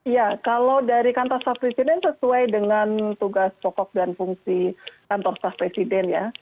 ya kalau dari kantor staf presiden sesuai dengan tugas pokok dan fungsi kantor staff presiden ya